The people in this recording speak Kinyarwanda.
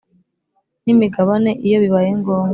N imigabane iyo bibaye ngombwa